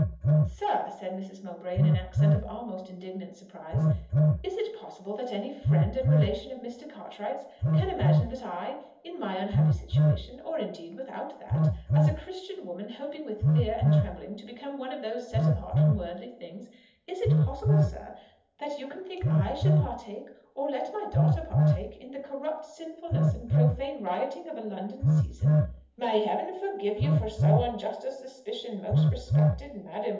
"Sir!" said Mrs. Mowbray in an accent of almost indignant surprise, "is it possible that any friend and relation of Mr. Cartwright's can imagine that I, in my unhappy situation or indeed, without that, as a Christian woman hoping with fear and trembling to become one of those set apart from worldly things, is it possible, sir, that you can think I should partake, or let my daughter partake, in the corrupt sinfulness and profane rioting of a London season!" "May Heaven forgive you for so unjust a suspicion, most respected madam!"